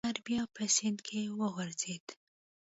خر بیا په سیند کې وغورځید.